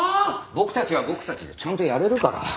僕たちは僕たちでちゃんとやれるから。